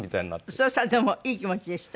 そしたらでもいい気持ちでした？